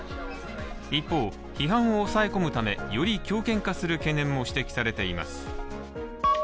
一方、批判を抑え込むためより強権化する懸念も指摘されています。